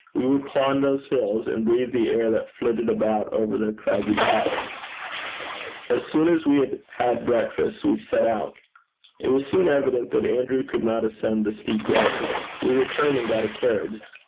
We would climb those hills, and breathe the air that flitted about over their craggy tops. As soon as we had breakfasted, we set out. It was soon evident that Andrew could not ascend the steep road. We returned and got a carriage.